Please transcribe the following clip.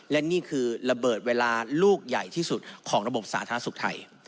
และนี่คือระเบิดเวลาลูกใหญ่ที่สุดของระบบสาธารณสุขไทย